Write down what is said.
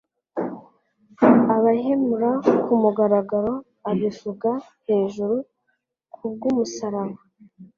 abahemura ku mugaragaro abivuga hejuru kubw'umusaraba'°.»